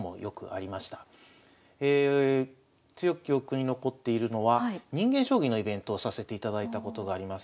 強く記憶に残っているのは人間将棋のイベントをさせていただいたことがあります。